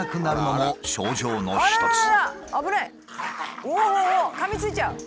かみついちゃう！